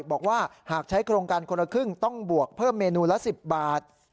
บอกว่าหากใช้โครงการคนละครึ่งต้องบวกเพิ่มเมนูละ๑๐บาท